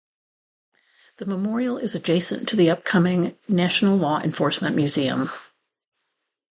The memorial is adjacent to the upcoming National Law Enforcement Museum.